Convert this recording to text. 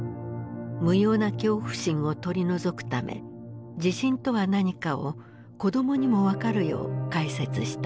無用な恐怖心を取り除くため地震とは何かを子どもにも分かるよう解説した。